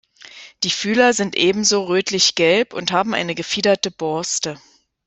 Die Fühler sind ebenso rötlichgelb und haben eine gefiederte Borste.